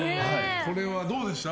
これはどうでした？